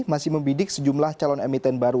masih membidik sejumlah calon emiten baru